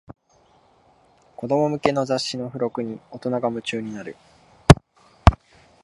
子供向けの雑誌の付録に大人が夢中になる